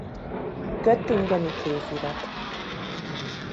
Göttingeni kézirat